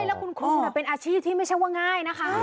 แล้วคุณครูเป็นอาชีพที่ไม่ใช่ว่าง่ายนะคะ